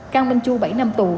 cao minh chu bảy năm tù